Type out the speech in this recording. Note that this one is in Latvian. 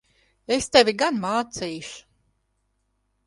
Es tevi gan mācīšu!